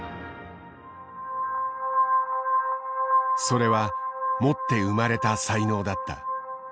それは持って生まれた才能だった。